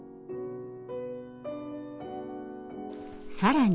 更に。